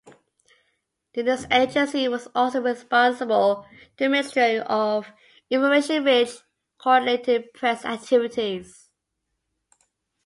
The news agency was also responsible to Ministry of Information which coordinated press activities.